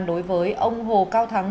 đối với ông hồ cao thắng